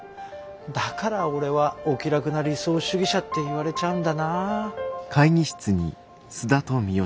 だから俺はお気楽な理想主義者って言われちゃうんだな。